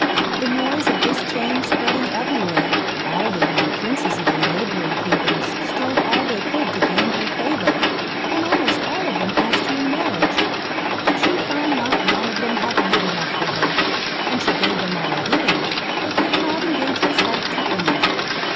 The noise of this change spreading every where, all the young Princes of the neighbouring kingdoms strove all they could to gain her favour, and almost all of them asked her in marriage; but she found not one of them had wit enough for her, and she gave them all a hearing, but would not engage herself to any.